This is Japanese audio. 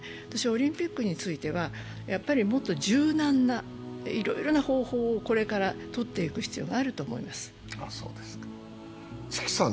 私はオリンピックについては、もっと柔軟ないろいろな方法をこれからとっていく必要があると思います。